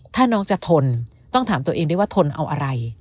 ถ้าน้องจะทนต้องถามตัวเองได้ว่าทนเอาอะไร